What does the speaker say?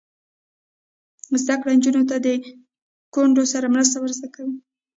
زده کړه نجونو ته د کونډو سره مرسته ور زده کوي.